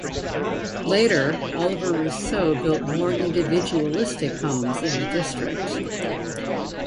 Later, Oliver Rousseau built more individualistic homes in the district.